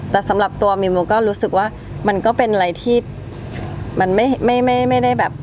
เรารู้สึกว่ามันก็เป็นอะไรที่มันไม่ได้แบบ